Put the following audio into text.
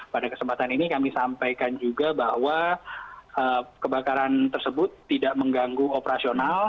pada kesempatan ini kami sampaikan juga bahwa kebakaran tersebut tidak mengganggu operasional